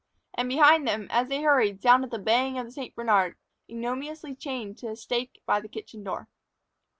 And behind them, as they hurried, sounded the baying of the St. Bernard, ignominiously chained to a stake by the kitchen door.